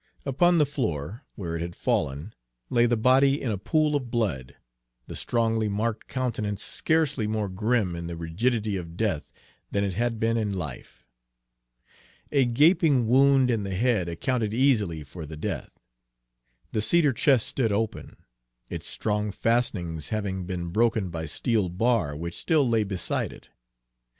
Upon the floor, where it had fallen, lay the body in a pool of blood, the strongly marked countenance scarcely more grim in the rigidity of death than it had been in life. A gaping wound in the head accounted easily for the death. The cedar chest stood open, its strong fastenings having been broken by a steel bar which still lay beside it.